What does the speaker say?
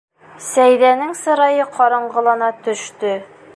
Сәйҙәнең сырайы ҡараңғылана төштө: